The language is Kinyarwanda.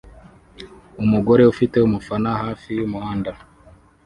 Umugore ufite umufana hafi yumuhanda